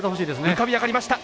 浮かび上がりました。